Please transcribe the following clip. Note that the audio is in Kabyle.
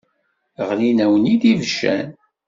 Ɣlin-awen-id ibeccan.